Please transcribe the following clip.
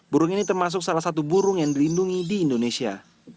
burung ini termasuk salah satu burung yang dilindungi di indonesia